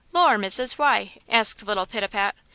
"Lor' missus, why?" asked little Pitapat.